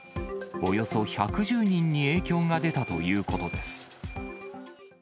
およそ１１０人に影響が出たということです。